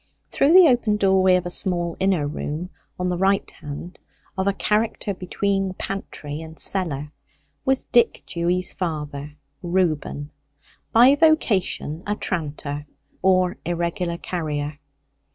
Through the open doorway of a small inner room on the right hand, of a character between pantry and cellar, was Dick Dewy's father Reuben, by vocation a "tranter," or irregular carrier.